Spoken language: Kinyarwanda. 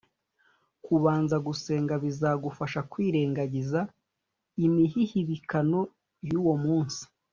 Kubanza gusenga bizagufasha kwirengagiza imihihibikano y uwo munsi